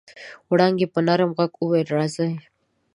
وړانګې په نرم غږ وويل راځئ.